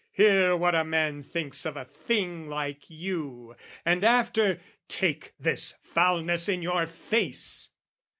"'Hear what a man thinks of a thing like you, "'And after, take this foulness in your face!"'